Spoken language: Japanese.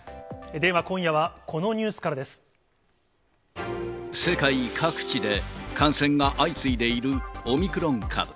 では今夜はこのニュースから世界各地で感染が相次いでいるオミクロン株。